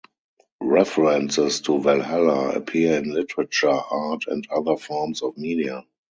References to Valhalla appear in literature, art, and other forms of media.